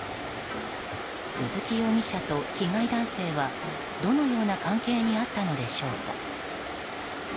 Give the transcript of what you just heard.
鈴木容疑者と被害男性はどのような関係にあったのでしょうか。